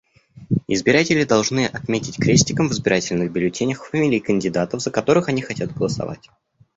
Избиратели должны отметить крестиком в избирательных бюллетенях фамилии кандидатов, за которых они хотят голосовать.